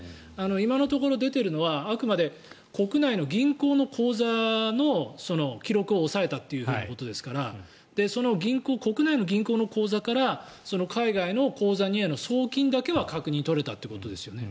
今のところ出ているのはあくまで国内の銀行の口座の記録を押さえたということですからその国内の銀行の口座から海外の口座への送金だけは確認が取れたということですよね。